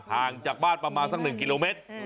ห่างจากบ้านประมาณสัก๑กิโลเมตร